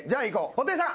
布袋さん